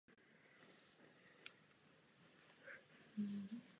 Je zde možné objednat různé knihy z produkce univerzity.